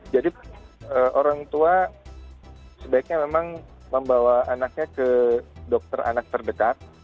jadi orang tua sebaiknya memang membawa anaknya ke dokter anak terdekat